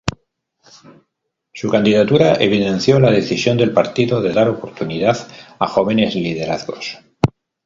Su candidatura evidenció la decisión del partido de dar oportunidad a jóvenes liderazgos.